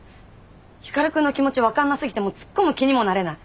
光くんの気持ち分かんなすぎてもう突っ込む気にもなれない。